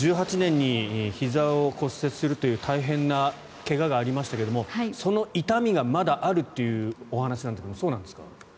２０１８年にひざを骨折するという大変な怪我がありましたがその痛みがまだあるというお話なんですがそうなんですか？